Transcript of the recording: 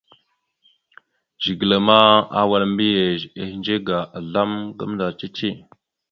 Zigəla ma awal mbiyez ehədze ga azlam gamənda cici.